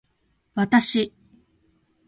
私